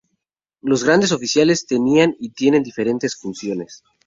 Los grandes oficiales tenían y tienen diferentes funciones.